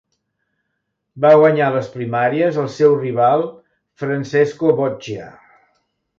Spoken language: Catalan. Va guanyar les primàries al seu rival Francesco Boccia.